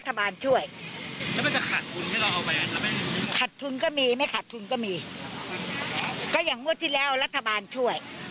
ถ้าพ่อเราเขาไม่เลือกก็ต้องออกมาเรื่อย